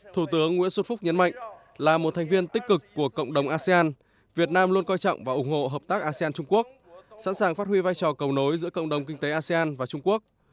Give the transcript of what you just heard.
thủ tướng nguyễn xuân phúc nhấn mạnh là một thành viên tích cực của cộng đồng asean việt nam luôn coi trọng và ủng hộ hợp tác asean trung quốc sẵn sàng phát huy vai trò cầu nối giữa cộng đồng kinh tế asean và trung quốc